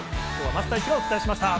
桝太一がお伝えしました。